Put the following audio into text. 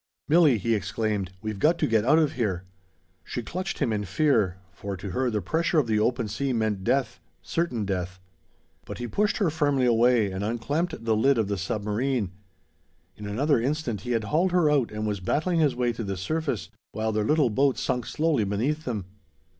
"Milli!" he exclaimed, "we've got to get out of here!" She clutched him in fear, for to her the pressure of the open sea meant death, certain death. But he pushed her firmly away, and unclamped the lid of the submarine. In another instant he had hauled her out and was battling his way to the surface, while their little boat sunk slowly beneath them.